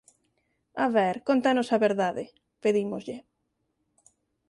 “A ver, cóntanos a verdade.” Pedímoslle.